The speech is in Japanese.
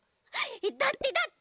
だってだって。